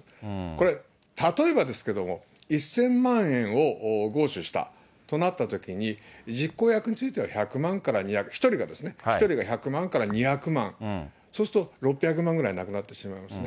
これ、例えばですけれども、１０００万円を強取したとなったときに、実行役については１００万から２００万、１人がですね、１人が１００万から２００万、そうすると６００万ぐらいなくなってしまいますよね。